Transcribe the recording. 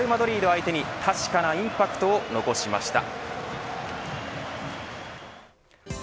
相手に確かなインパクトを残しました。